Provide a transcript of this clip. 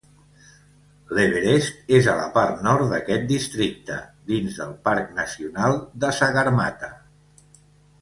L'Everest és a la part nord d'aquest districte, dins del Parc Nacional de Sagarmatha.